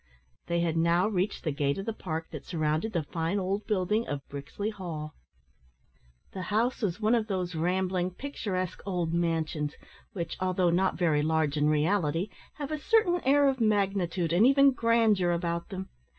They had now reached the gate of the park that surrounded the fine old building of Brixley Hall. The house was one of those rambling, picturesque old mansions, which, although not very large in reality, have a certain air of magnitude, and even grandeur, about them.